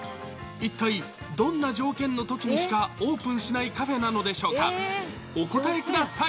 一体どんな条件のときにしかオープンしないカフェなのでしょうか。